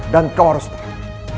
dan kau harus tahu